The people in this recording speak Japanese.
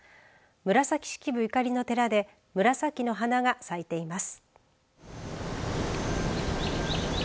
紫式部ゆかりの寺で紫の花が咲いています。